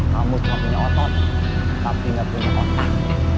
kamu cuma punya otot tapi nggak punya otak